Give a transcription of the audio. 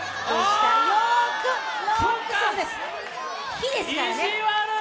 「ひ」ですからね。